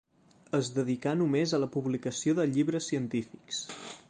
Es dedicà només a la publicació de llibres científics.